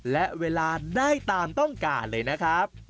และเวลาได้ตามต้องการเลยนะครับ